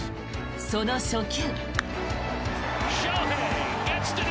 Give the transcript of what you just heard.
その初球。